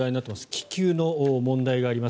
気球の問題があります。